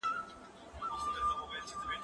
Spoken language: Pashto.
زه به سبا ليکنې کوم؟